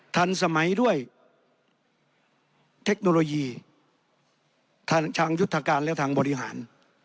ทันสมัยด้วยเทคโนโลยีทางยุทธการและทางบริหาร